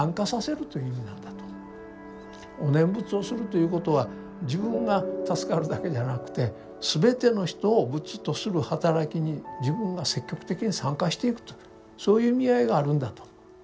お念仏をするということは自分が助かるだけじゃなくて全ての人を仏とするはたらきに自分が積極的に「参加」していくとそういう意味合いがあるんだと。